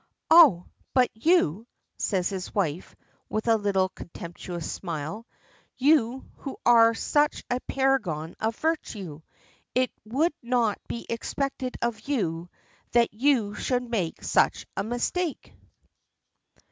"Oh but you!" says his wife, with a little contemptuous smile. "You who are such a paragon of virtue. It would not be expected of you that you should make such a mistake!"